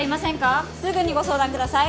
すぐにご相談ください。